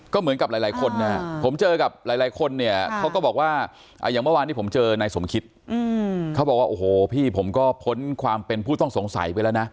ก็เหมือนกับหลายคนนะครับผมเจอกับหลายคนเนี่ยเขาก็บอกว่าอย่างเมื่อวานที่ผมเจอนายสมคิดเขาบอกว่าโอ้โหพี่ผมก็พ้นความเป็นผู้ต้องสงสัยไปแล้วนะ